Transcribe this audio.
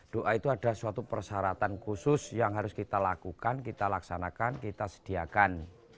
doa itu ada suatu persyaratan khusus yang harus kita lakukan kita laksanakan kita sediakan